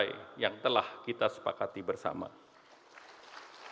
kita juga ingin mengucapkan terima kasih kepada semua para pengajar dan para penonton